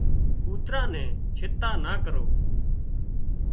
ڪُوترا نِي چنتا نا ڪرو